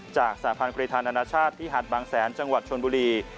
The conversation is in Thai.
จากสหพันธ์กรีธานานาชาติที่หัดบางแสนจังหวัดชนบุรี